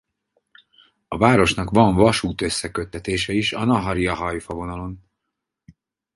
A városnak van vasút-összeköttetése is a Naharija–Haifa vonalon.